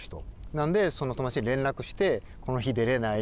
なのでその友だちに連絡して「この日出れない？」